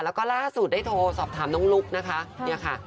แล้วก็ล่าสุดได้โทรสอบถามน้องลุ๊กนะคะเนี่ยค่ะ